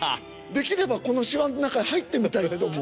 できればこのしわの中に入ってみたいと思う。